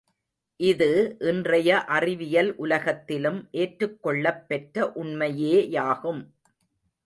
இது இன்றைய அறிவியல் உலகத்திலும் ஏற்றுக்கொள்ளப் பெற்ற உண்மையேயாகும்.